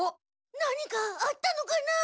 何かあったのかな？